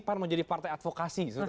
pan mau jadi partai advokasi